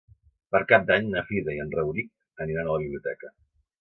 Per Cap d'Any na Frida i en Rauric aniran a la biblioteca.